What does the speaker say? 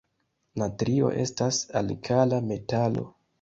Natrio estas alkala metalo.